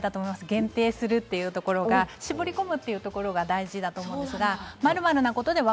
限定するというところが絞り込むというところが大事です。